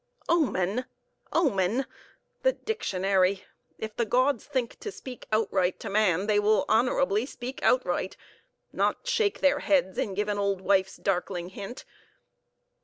"Omen? omen?—the dictionary! If the gods think to speak outright to man, they will honorably speak outright; not shake their heads, and give an old wife's darkling hint.